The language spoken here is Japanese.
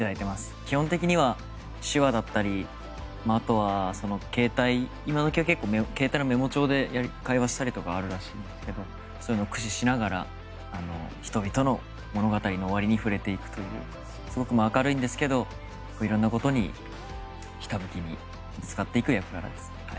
基本的には手話だったりあとは携帯今どきは携帯のメモ帳で会話したりとかがあるらしいんですがそういうのを駆使しながら人々の物語の終わりに触れていくというすごく明るいんですが色んなことにひたむきにぶつかっていく役柄です。